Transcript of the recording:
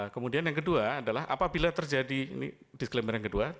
kemudian yang kedua adalah apabila terjadi disclaimer yang kedua